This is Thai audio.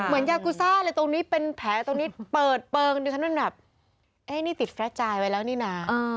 เหมือนยากูซ่าเลยตรงนี้เป็นแผลตรงนี้เปิดเปิงดิฉันมันแบบเอ๊ะนี่ติดแฟรท์จายไว้แล้วนี่น่ะอ่า